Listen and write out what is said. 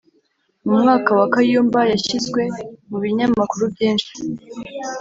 mu mwaka wa kayumba yashyizwe mu binyamakuru byinshi